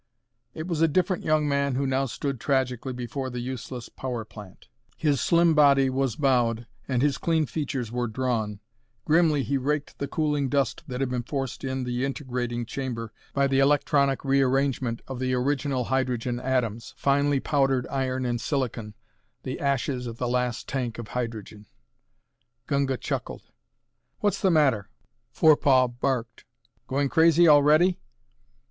It was a different young man who now stood tragically before the useless power plant. His slim body was bowed, and his clean features were drawn. Grimly he raked the cooling dust that had been forced in the integrating chamber by the electronic rearrangement of the original hydrogen atoms finely powdered iron and silicon the "ashes" of the last tank of hydrogen. Gunga chuckled. "What's the matter?" Forepaugh barked. "Going crazy already?"